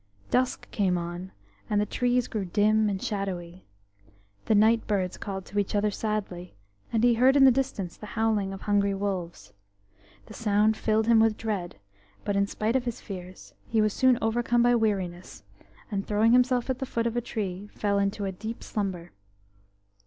Dusk came on, and the trees grew dim and shadowy. The night birds called to each other sadly, and he heard in the distance the howling of hungry wolves. The sound filled him with dread, but in spite of his fears he was soon overcome by weariness, and, throwing himself at the foot of a tree, fell into a deep slumber.